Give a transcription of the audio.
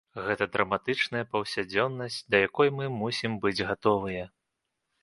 Гэта драматычная паўсядзённасць, да якой мы мусім быць гатовыя.